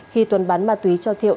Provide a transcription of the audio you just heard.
khi tuấn bán ma túy cho thiệu